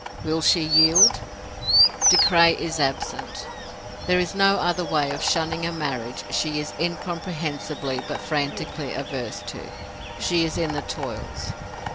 Will she yield? De Craye is absent. There is no other way of shunning a marriage she is incomprehensibly but frantically averse to. She is in the toils.